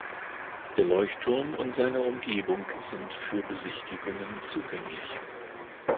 Der Leuchtturm und seine Umgebung sind für Besichtigungen zugänglich.